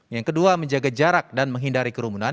yang kedua menjaga jarak dan menghindari kerumunan